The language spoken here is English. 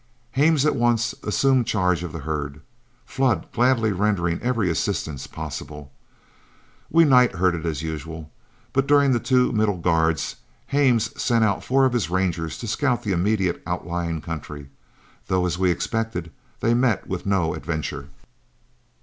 Hames at once assumed charge of the herd, Flood gladly rendering every assistance possible. We night herded as usual, but during the two middle guards, Hames sent out four of his Rangers to scout the immediate outlying country, though, as we expected, they met with no adventure.